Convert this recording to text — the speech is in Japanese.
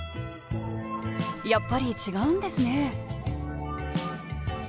やっぱり違うんですね